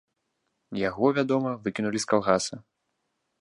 Яго, вядома, выкінулі з калгаса.